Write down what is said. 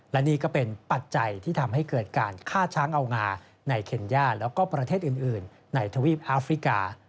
และนี่ก็เป็นปัจจัยที่ทำให้เกิดการฆ่าช้างเอางาในเคนย่าแล้วก็ประเทศอื่นในทวีปอาฟริกา